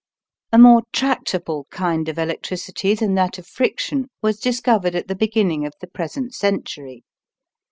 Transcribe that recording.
A more tractable kind of electricity than that of friction was discovered at the beginning of the present century.